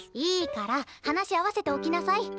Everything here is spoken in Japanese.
いいから話合わせておきなさい。